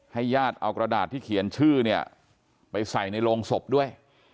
ญาติเอากระดาษที่เขียนชื่อเนี่ยไปใส่ในโรงศพด้วย